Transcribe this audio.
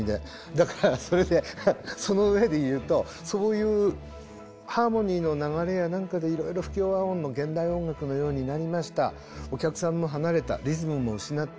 だからそれでその上で言うとそういうハーモニーの流れや何かでいろいろ不協和音の現代音楽のようになりましたお客さんも離れたリズムも失った。